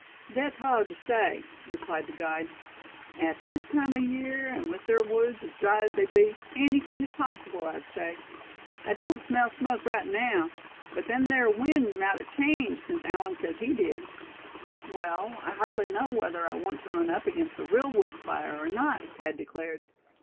"Thet's hard tew say," replied the guide. "At this time o' year, an' with ther woods as dry as they be, anything is possible, I'd say. I don't smell smoke right naow, but then ther wind mout a changed sense Allan sez he did." "Well, I hardly know whether I want to run up against a real woods' fire, or not," Thad declared.